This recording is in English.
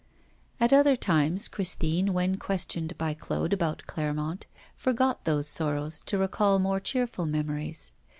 At other times, Christine, when questioned by Claude about Clermont, forgot those sorrows to recall more cheerful memories.